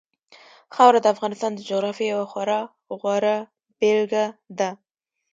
خاوره د افغانستان د جغرافیې یوه خورا غوره بېلګه ده.